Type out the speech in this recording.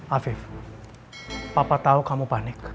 afif papa tahu kamu panik